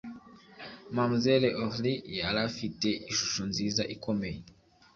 mamzelle aurlie yari afite ishusho nziza ikomeye,